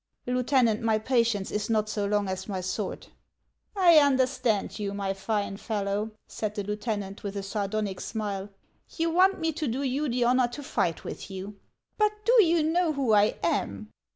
" Lieutenant, my patience is not so long as my sword." " I understand you, my fine fellow," said the lieutenant, with a sardonic smile. " You want me to do you the honor to fight with you. But do you know who I am